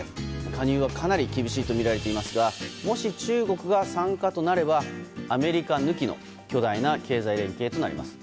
加入はかなり厳しいとみられていますがもし中国が参加となればアメリカ抜きの巨大な経済連携となります。